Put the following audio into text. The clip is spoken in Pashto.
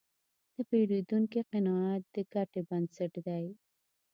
د پیرودونکي قناعت د ګټې بنسټ دی.